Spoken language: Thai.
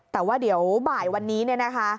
แต่ว่าเดี๋ยวบ่ายวันนี้เนี่ยนะคะ